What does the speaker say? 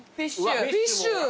フィッシュ。